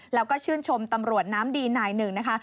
แล้วก็ชื่นชมตำรวจน้ำดีนายหนึ่งนะคะ